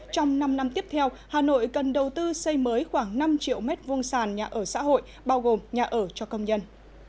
trong năm năm tiếp theo hà nội cần đầu tư xây mới khoảng năm triệu m hai sàn nhà ở xã hội bao gồm nhà ở cho công nhân